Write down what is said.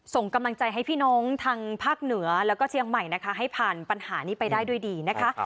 ส่งกำลังใจให้พี่น้องทางภาคเหนือแล้วก็เชียงใหม่นะคะให้ผ่านปัญหานี้ไปได้ด้วยดีนะคะ